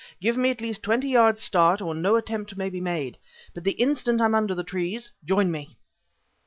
Give me at least twenty yards' start or no attempt may be made. But the instant I'm under the trees, join me."